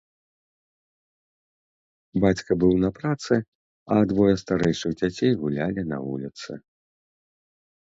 Бацька быў на працы, а двое старэйшых дзяцей гулялі на вуліцы.